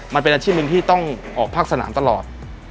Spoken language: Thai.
มันเป็นอาชีพหนึ่งที่ต้องออกภาคสนามตลอด